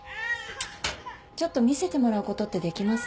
ちょっと見せてもらうことってできます？